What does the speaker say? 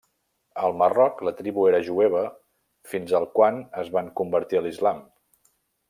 Al Marroc la tribu era jueva fins al quan es van convertir a l'islam.